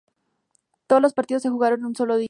Todos los partidos se jugaron en un solo día.